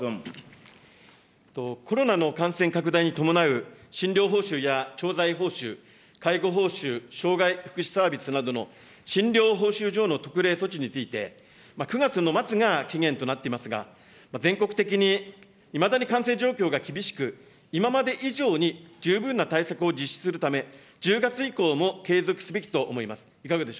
コロナの感染拡大に伴う診療報酬や調剤報酬、介護報酬、障害福祉サービスなどの診療報酬上の特例措置について、９月の末が期限となっていますが、全国的にいまだに感染状況が厳しく、今まで以上に十分な対策を実施するため、１０月以降も継続すべきと思います。